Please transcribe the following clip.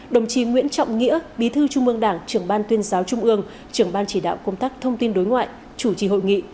đồng chí nguyễn trọng nghĩa bí thư trung ương đảng trưởng ban tuyên giáo trung ương trưởng ban chỉ đạo công tác thông tin đối ngoại chủ trì hội nghị